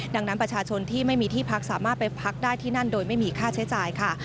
ดังนั้นประชาชนที่ไม่มีที่พักสามารถไปพักได้ที่นั่นโดยไม่มีค่าใช้จ่ายค่ะ